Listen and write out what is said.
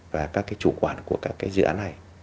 và các cái chủ quản của các cái dự án này